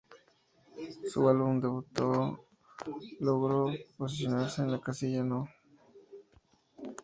Su álbum debut logró posicionarse en la casilla No.